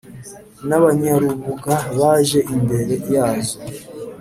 N'abanyarubuga baje imbere yazo